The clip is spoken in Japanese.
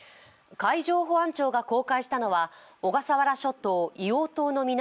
海上保安庁が公開したのは小笠原諸島・硫黄島の南